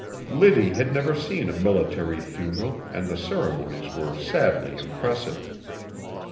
Liddy had never seen a military funeral and the ceremonies were sadly impressive.